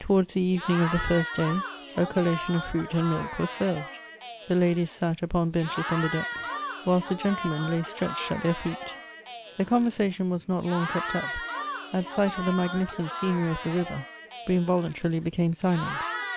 Towards the evening of the Brst day a collation of fruit and milk was served ; the ladies sat upon benches on the deck, whilst the gentlemen lay stretched at their feet. The conversation was not long kept up ; at sight of the magnificent scenery of the river, we involuntarily became silent.